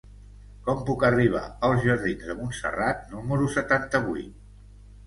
Com puc arribar als jardins de Montserrat número setanta-vuit?